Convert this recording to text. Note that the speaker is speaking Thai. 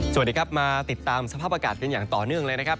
สวัสดีครับมาติดตามสภาพอากาศกันอย่างต่อเนื่องเลยนะครับ